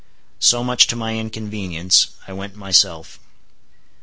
So, much to my inconvenience, I went myself.